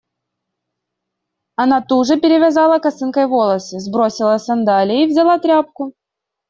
Она туже перевязала косынкой волосы. Сбросила сандалии. Взяла тряпку.